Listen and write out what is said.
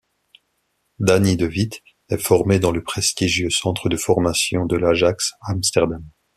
Dani de Wit est formé dans le prestigieux centre de formation de l'Ajax Amsterdam.